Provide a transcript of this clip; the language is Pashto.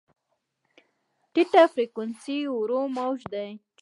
ټیټه فریکونسي ورو موج دی.